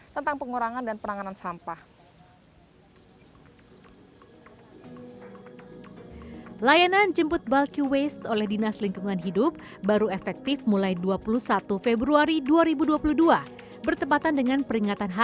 tentang pengurangan dan penanganan sampah